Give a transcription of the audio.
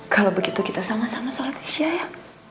kalau begitu kita sama sama sholat isya ya